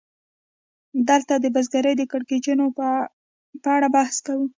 دلته د بزګرۍ د کړکېچونو په اړه بحث کوو